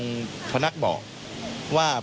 ว่าเป็นปืนกระบอกเดียวของผู้ต้องหาในคดีเรามี